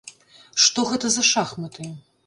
Што гэта за шахматы?